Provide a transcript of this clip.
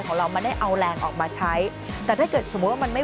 ของเรามันได้เอาแรงออกมาใช้แต่ถ้าเกิดสมมุติว่ามันไม่